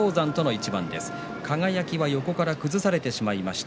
輝は横から崩されてしまいました。